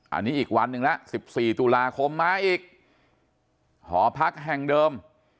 อันนี้อีกวันหนึ่งแล้ว๑๔ตุลาคมมาอีกหอพักแห่งเดิม